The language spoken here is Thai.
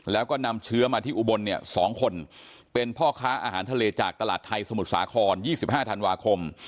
แล้วก็นำเชื้อมาที่อุบลเนี่ย๒คนเป็นพ่อค้าอาหารทะเลจากตลาดไทยสมุทรสาคร๒๕ธันวาคม